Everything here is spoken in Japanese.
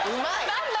何だ！